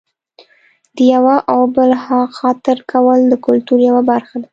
د یوه او بل خاطر کول د کلتور یوه برخه ده.